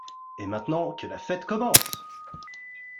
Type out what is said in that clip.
Et maintenant, que la fête commence !